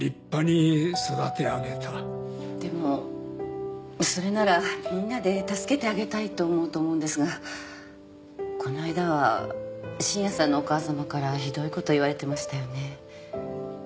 でもそれならみんなで助けてあげたいと思うと思うんですがこないだは信也さんのお母さまからひどいこと言われてましたよね。